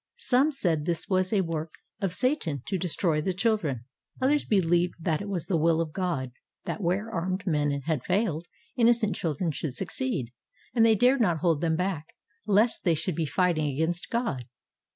Some said this was a work of Satan to destroy the children. Others believed that it was the will of God that where armed men had failed, innocent children should succeed; and they dared not hold them back lest they should be fighting against God.